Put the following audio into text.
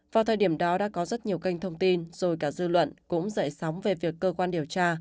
vào thời điểm đó đã có rất nhiều kênh thông tin rồi cả dư luận cũng dậy sóng về việc cơ quan điều tra